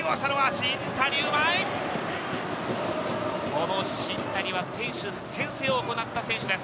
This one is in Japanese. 新谷は選手宣誓を行った選手です。